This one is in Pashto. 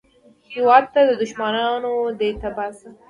هېواده دوښمنان دې تباه شه